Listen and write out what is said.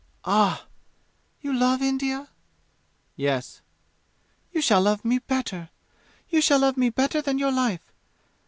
"Ah! You love India?" "Yes." "You shall love me better! You shall love me better than your life!